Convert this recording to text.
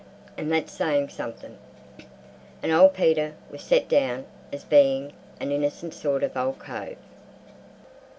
An' that's sayin' somethin'." And old Peter was set down as being an innercent sort of ole cove.